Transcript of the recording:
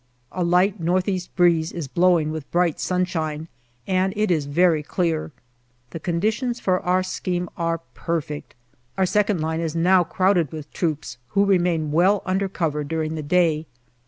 A light north east breeze is blowing with bright sunshine, and it is very clear. The conditions, for our scheme, are perfect. Our second line is now crowded with troops, who remain well under cover during the day.